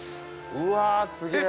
うわあすげえ！